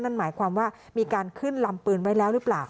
นั่นหมายความว่ามีการขึ้นลำปืนไว้แล้วหรือเปล่า